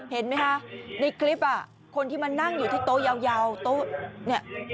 เห็นไหมคะในคลิปคนที่มานั่งอยู่ที่โต๊ะยาวโต๊ะเนี่ย